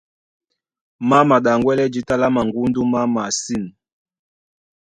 Má maɗaŋgwɛ́lɛ́ jǐta lá maŋgúdú má masîn.